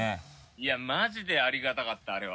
いやマジでありがたかったあれは。